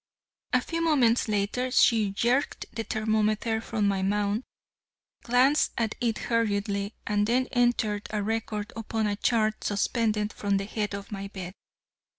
A few moments later she jerked the thermometer from my mouth, glanced at it hurriedly and then entered a record upon a chart suspended from the head of my bed.